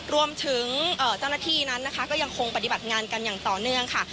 รวมถึงเจ้าหน้าที่นั้นนะคะก็ยังคงปฏิบัติงานกันอย่างต่อเนื่องค่ะ